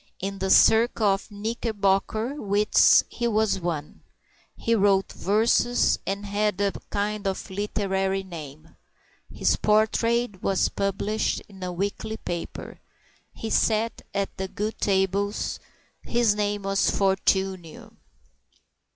In the circle of Knickerbocker wits he was one. He wrote verses, and had a kind of literary name. His portrait was published in a weekly paper. He sat at the good tables. His name was Fortunio.